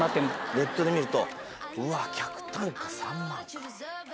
ネットで見るとうわ客単価３万か。